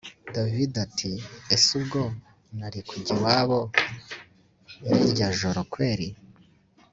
davide ati ese ubwo nari kujya iwabo rirya joro kweli!